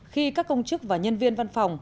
khi các công chức và nhân viên văn phòng